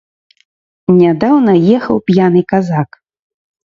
Нядаўна ехаў п'яны казак.